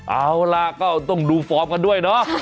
เอาล่ะก็ต้องดูฟอร์มกันด้วยเนาะ